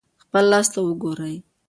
خپل لاس ته وګورئ.